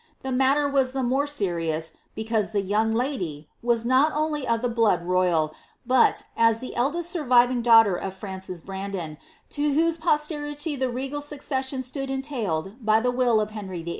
The mailer was the more serious, because the young lady, was not only of ibe blood royal, but, as the eldest surviving daughter of Frances Brandos, to whose posterity the regal succession stood entailed by the will of Henry VUI.